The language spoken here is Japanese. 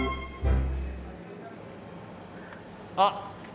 あっ！